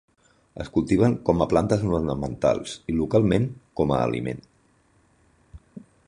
Es cultiven com a plantes ornamentals i, localment, com a aliment.